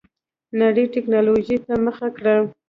نړۍ ټيکنالوجۍ ته مخه کړه.